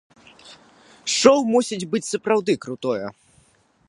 Шоу мусіць быць сапраўды крутое!